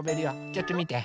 ちょっとみて。